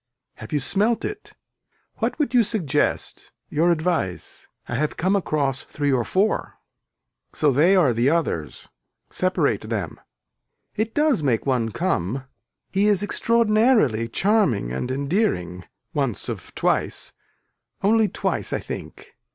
Have you smelt it. What would you suggest, your advice I have come across three or four. So they are the others. Separate them. It does make one come, he is extraordinarily charming and endearing once of twice only twice I think.